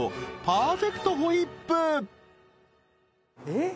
パーフェクトホイップえっ？